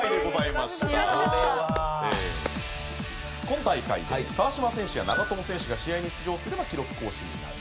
今大会川島選手や長友選手が試合に出場すれば記録更新になる。